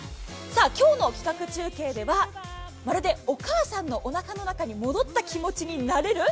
今日の企画中継では、まるでお母さんのおなかの中に戻った気持ちになれる？